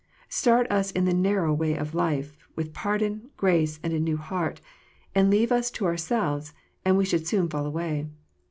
Start us in the narrow way of life, with pardon, grace, and a new heart, and leave us to ourselves, and we should soon fall away.